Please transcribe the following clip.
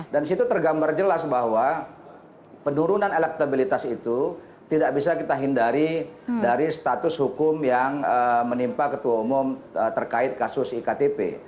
disitu tergambar jelas bahwa penurunan elektabilitas itu tidak bisa kita hindari dari status hukum yang menimpa ketua umum terkait kasus iktp